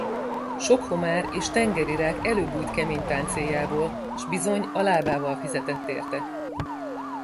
Sok homár és tengeri rák előbújt kemény páncéljából, s bizony, a lábával fizetett érte.